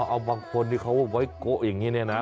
เอาบางคนที่เขาไว้โกะอย่างนี้เนี่ยนะ